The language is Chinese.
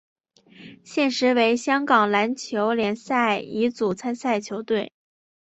现时为香港篮球联赛乙组参赛球队。